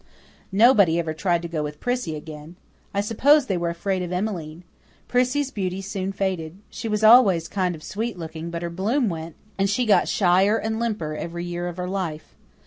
Nobody ever tried to go with Prissy again. I suppose they were afraid of Emmeline. Prissy's beauty soon faded. She was always kind of sweet looking, but her bloom went, and she got shyer and limper every year of her life.